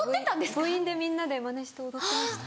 部員でみんなでマネして踊ってました。